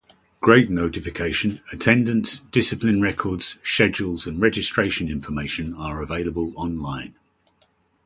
Grade notification, attendance, discipline records, schedules, and registration information are available online.